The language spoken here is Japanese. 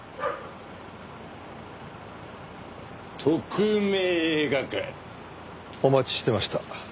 特命係！お待ちしてました。